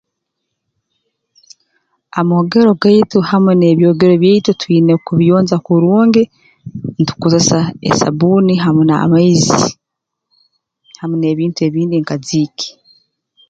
Amoogero gaitu hamu n'ebyogero byaitu twine kubiyonja kurungi ntukozesa esabbuuni hamu n'amaizi hamu n'ebintu ebindi nka jiiki